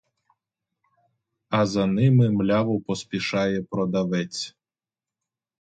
А за ними мляво поспішає продавець.